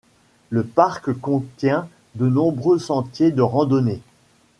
Le parc contient de nombreux sentiers de randonnées.